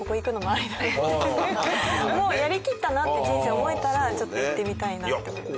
もうやりきったなって人生思えたらちょっと行ってみたいなって思いました。